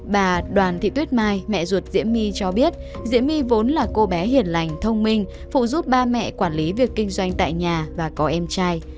bà đoàn thị tuyết mai mẹ ruột diễm my cho biết diễm my vốn là cô bé hiền lành thông minh phụ giúp ba mẹ quản lý việc kinh doanh tại nhà và có em trai